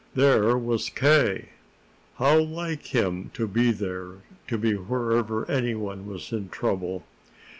There was K.! How like him to be there, to be wherever anyone was in trouble!